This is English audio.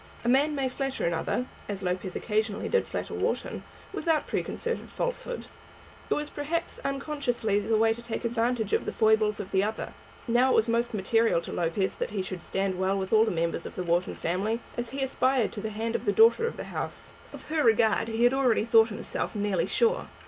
A man may flatter another, as Lopez occasionally did flatter Wharton, without preconcerted falsehood. It suits one man to be well with another, and the one learns gradually and perhaps unconsciously the way to take advantage of the foibles of the other. Now it was most material to Lopez that he should stand well with all the members of the Wharton family, as he aspired to the hand of the daughter of the house. Of her regard he had already thought himself nearly sure.